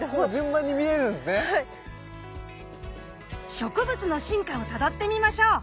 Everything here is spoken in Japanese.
植物の進化をたどってみましょう。